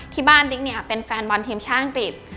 ที่บ้านติ๊กเป็นแฟนบอลทีมชาวอังกฤษ